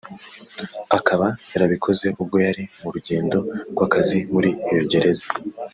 akaba yarabikoze ubwo yari mu rugendo rw’akazi muri iyo gereza